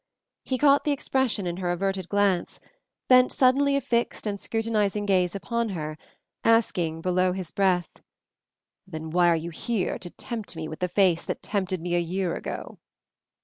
He caught the expression in her averted glance, bent suddenly a fixed and scrutinizing gaze upon her, asking, below his breath, "Then why are you here to tempt me with the face that tempted me a year ago?"